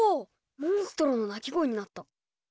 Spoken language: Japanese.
モンストロの鳴き声になった。